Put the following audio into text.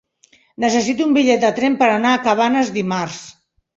Necessito un bitllet de tren per anar a Cabanes dimarts.